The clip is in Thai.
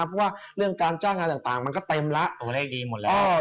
เพราะว่าเรื่องการจ้างงานต่างมันก็เต็มแล้ว